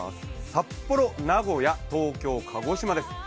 札幌、名古屋、東京、鹿児島です。